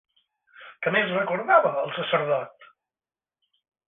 Què més recordava el sacerdot?